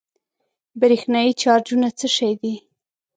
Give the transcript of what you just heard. برېښنايي چارجونه څه شی دي؟